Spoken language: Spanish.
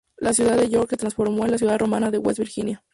La ciudad de York se transformó en la ciudad romana de West Virginia.